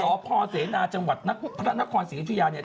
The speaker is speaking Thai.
สพเสนาจังหวัดพระนครศรีอยุธยาเนี่ย